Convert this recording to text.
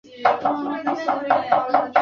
她的美丽和外表是话题。